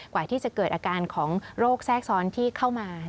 กว่าที่จะเกิดอาการของโรคแทรกซ้อนที่เข้ามา